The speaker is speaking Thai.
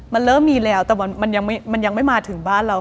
มันเริ่มมีแล้วแต่มันยังไม่มาถึงบ้านเรา